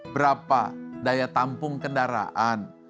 berapa daya tampung kendaraan